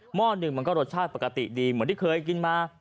ห้อหนึ่งมันก็รสชาติปกติดีเหมือนที่เคยกินมา